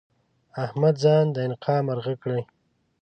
احمد ځان د انقا مرغه کړی؛